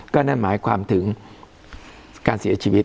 ก็นั่นหมายความถึงการเสียชีวิต